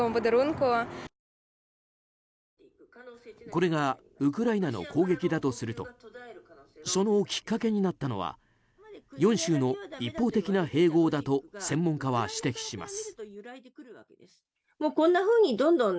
これがウクライナの攻撃だとするとそのきっかけになったのは４州の一方的な併合だと専門家は指摘します。